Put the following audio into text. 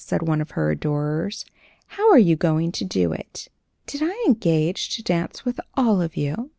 said one of her adorers. "How are you going to do it?" "Did I engage to dance with all of you?"